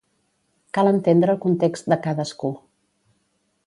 Cal entendre el context de cadascú.